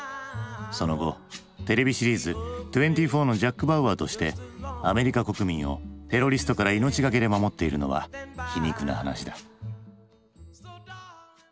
その後テレビシリーズ「２４」のジャック・バウアーとしてアメリカ国民をテロリストから命がけで守っているのは皮肉な話だ。